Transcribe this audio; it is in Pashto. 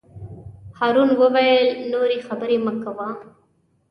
هارون وویل: نورې خبرې مه کوه.